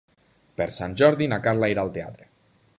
Per Sant Jordi na Carla irà al teatre.